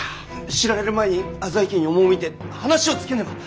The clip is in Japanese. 知られる前に浅井家に赴いて話をつけねば！